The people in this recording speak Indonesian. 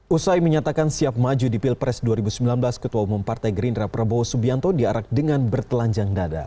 usai menyatakan siap maju di pilpres dua ribu sembilan belas ketua umum partai gerindra prabowo subianto diarak dengan bertelanjang dada